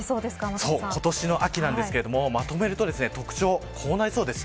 今年の秋なんですけどまとめると特徴こうなりそうです。